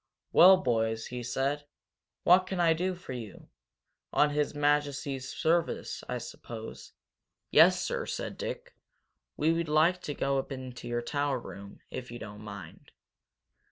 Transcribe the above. "Well, boys," he said, "what can I do for you? On His Majesty's service, I suppose?" "Yes, sir," said Dick. "We'd like to go up in your tower room, if you don't mind."